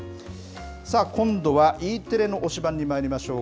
さあ今度はＥテレの推しバン！にまいりましょう。